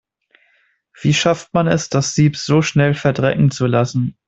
Wie schafft man es, das Sieb so schnell verdrecken zu lassen?